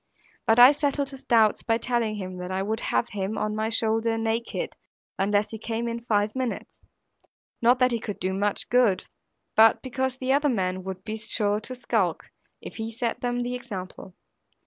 But I settled his doubts by telling him, that I would have him on my shoulder naked, unless he came in five minutes; not that he could do much good, but because the other men would be sure to skulk, if he set them the example.